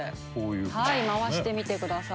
はい回してみてください。